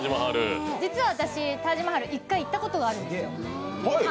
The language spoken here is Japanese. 実は私、タージマハル１回行ったことがあるんです。